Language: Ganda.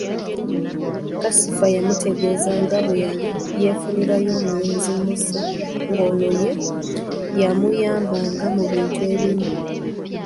Kasifa yamutegeeza nga bwe yali yeefunirayo omulenzi Musa nga ono ye yamuyambanga mu bintu ebimu.